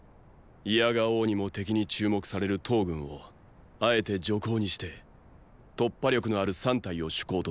否が応にも敵に注目される騰軍をあえて“助攻”にして突破力のある三隊を“主攻”とする。